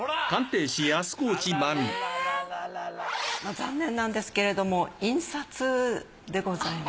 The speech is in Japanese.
残念なんですけれども印刷でございます。